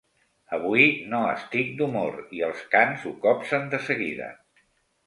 Avui no estic d'humor i els cans ho copsen de seguida.